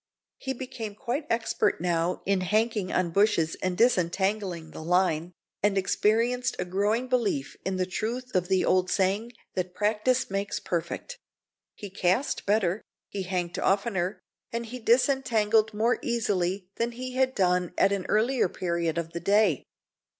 He became quite expert now in hanking on bushes and disentangling the line, and experienced a growing belief in the truth of the old saying that "practice makes perfect." He cast better, he hanked oftener, and he disentangled more easily than he had done at an earlier period of the day.